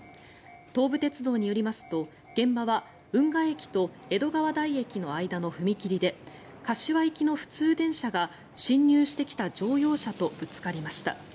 東武鉄道によりますと現場は運河駅と江戸川台駅の間の踏切で柏行きの普通電車が進入してきた乗用車とぶつかりました。